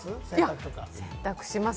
洗濯します。